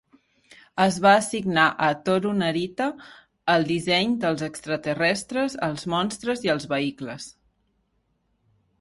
Es va assignar a Tohru Narita el disseny dels extraterrestres, els monstres i els vehicles.